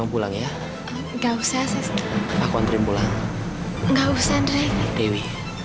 buat ngajak makan dewi